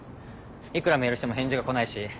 いくらメールしても返事が来ないし。